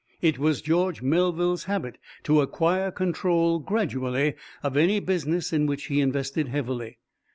It was George Melville's habit to acquire control, gradually, of any business in which he invested heavily.